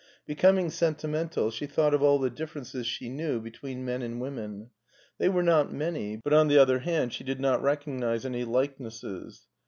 Becoming sentimental, she thought of all the differ ences she knew between men and women; they were not many, but on the other hand she did not recognize any likenesses.